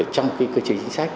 trong cái cơ chế chính sách